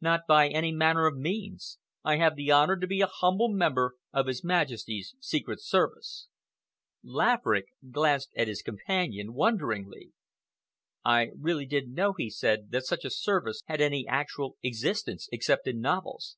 "Not by any manner of means. I have the honor to be a humble member of His Majesty's Secret Service." Laverick glanced at his companion wonderingly. "I really didn't know," he said, "that such a service had any actual existence except in novels."